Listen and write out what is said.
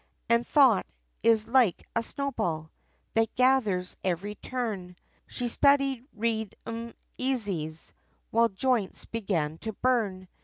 And thought, is like a snowball, That gathers every turn; She studied read 'em easys, While joints began to burn.